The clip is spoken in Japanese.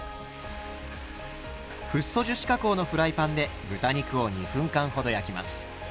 フッ素樹脂加工のフライパンで豚肉を２分間ほど焼きます。